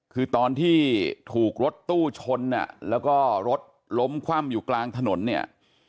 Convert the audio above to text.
คือตอนที่ถูกรถตู้ชนอ่ะแล้วก็รถล้มคว่ำอยู่กลางถนนเนี่ย